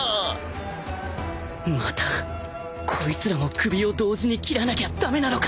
またこいつらも首を同時に斬らなきゃ駄目なのか！？